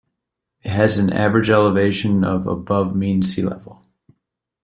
It has an average elevation of above mean Sea Level.